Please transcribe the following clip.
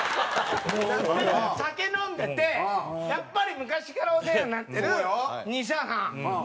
酒飲んでて、やっぱり、昔からお世話になってる西田さん。